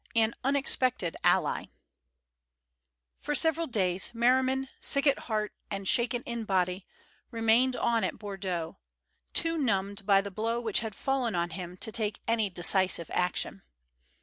AN UNEXPECTED ALLY For several days Merriman, sick at heart and shaken in body, remained on at Bordeaux, too numbed by the blow which had fallen on him to take any decisive action.